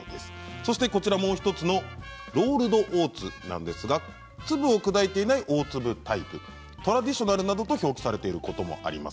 そしてもう１つのロールドオーツなんですが粒を砕いていない大粒タイプトラディショナルと表記されていることもあります。